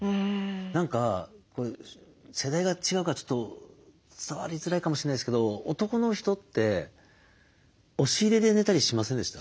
何か世代が違うからちょっと伝わりづらいかもしれないですけど男の人って押し入れで寝たりしませんでした？